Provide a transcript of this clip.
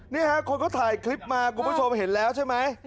นี่ฮะคนเขาถ่ายคลิปมาคุณผู้ชมเห็นแล้วใช่ไหม